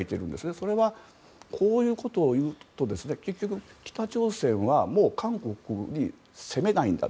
それは、こういうことを言うと結局、北朝鮮は韓国を攻めないんだと。